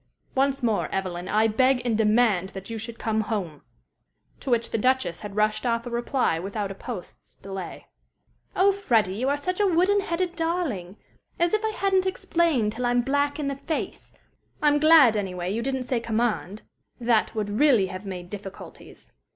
"Once more, Evelyn, I beg and I demand that you should come home." To which the Duchess had rushed off a reply without a post's delay. "Oh, Freddie, you are such a wooden headed darling! As if I hadn't explained till I'm black in the face. I'm glad, anyway, you didn't say command; that would really have made difficulties.